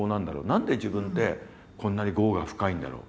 何で自分ってこんなに業が深いんだろう。